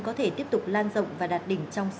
có thể tiếp tục lan rộng và đạt đỉnh trong sáu mươi ngày